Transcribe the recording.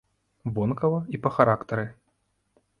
Вонкава і па характары.